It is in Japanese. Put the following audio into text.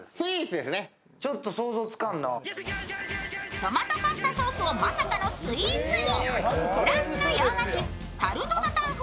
トマトソースパスタをまさかのスイーツに。